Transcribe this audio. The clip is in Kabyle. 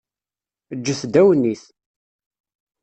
Ǧǧet-d awennit.